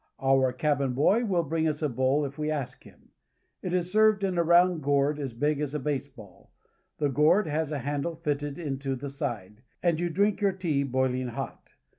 Our cabin boy will bring us a bowl if we ask him. It is served in a round gourd as big as a baseball. The gourd has a handle fitted into the side, and you drink your tea boiling hot.